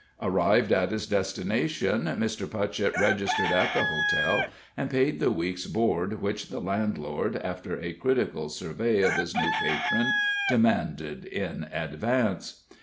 Arrived at his destination, Mr. Putchett registered at the hotel and paid the week's board which the landlord, after a critical survey of his new patron, demanded in advance.